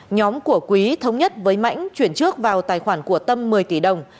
nhóm của quý thống nhất với mãnh chuyển trước vào tài khoản của tâm một mươi tỷ đồng